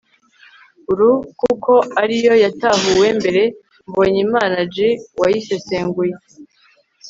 ru, kuko ari yo yatahuwe mbere.mbonyimana g., wayisesenguye